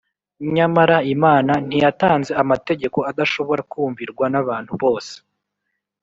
. Nyamara Imana ntiyatanze amategeko adashobora kumvirwa n’abantu bose